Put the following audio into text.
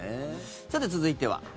さて、続いては。